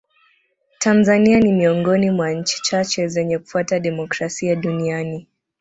tanzania ni miongoni mwa nchi chache zenye kufuata demokrasia duniani